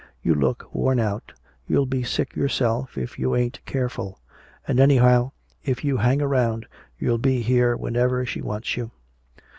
"You look worn out. You'll be sick yourself if you ain't careful. And anyhow, if you hang around you'll be here whenever she wants you."